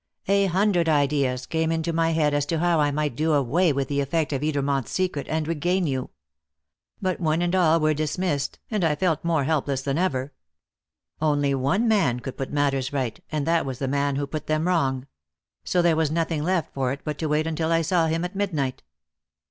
A hundred ideas came into my head as to how I might do away with the effect of Edermont's secret and regain you. But one and all were dismissed, and I felt more helpless than ever. Only one man could put matters right, and that was the man who put them wrong; so there was nothing left for it but to wait until I saw him at midnight."